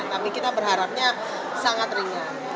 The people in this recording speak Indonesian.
tapi kita berharapnya sangat ringan